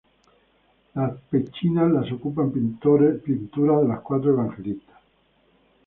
Las pechinas las ocupan pinturas de los cuatro evangelistas.